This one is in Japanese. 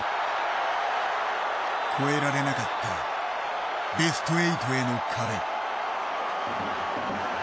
越えられなかったベスト８への壁。